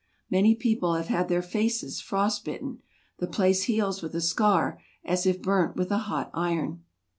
Many people have had their faces frost bitten; the place heals with a scar, as if burnt with a hot iron.